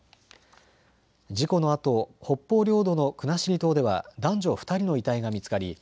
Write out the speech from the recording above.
事故のあと北方領土の国後島では男女２人の遺体が見つかり